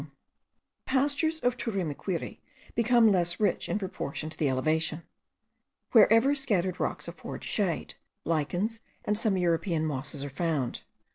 The pastures of Turimiquiri become less rich in proportion to the elevation. Wherever scattered rocks afford shade, lichens and some European mosses are found.